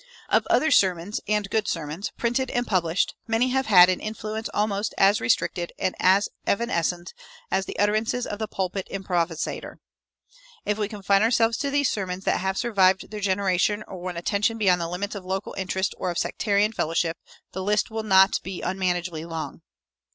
Of other sermons, and good sermons, printed and published, many have had an influence almost as restricted and as evanescent as the utterances of the pulpit improvisator. If we confine ourselves to those sermons that have survived their generation or won attention beyond the limits of local interest or of sectarian fellowship, the list will not be unmanageably long.